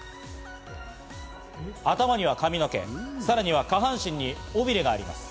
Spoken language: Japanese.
頭には髪の毛、さらには下半身に尾びれがあります。